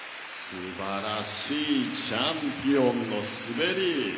すばらしいチャンピオンの滑り